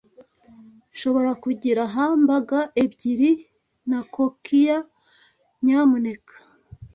Nshobora kugira hamburg ebyiri na kokiya, nyamuneka?